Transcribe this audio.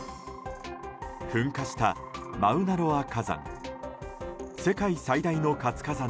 噴火したマウナロア火山。